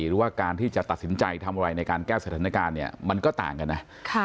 หรือว่าการที่จะตัดสินใจทำอะไรในการแก้สถานการณ์เนี่ยมันก็ต่างกันนะ